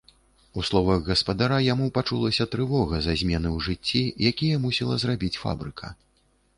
У словах гаспадара яму пачулася трывога за змены ў жыцці, якія мусіла зрабіць фабрыка.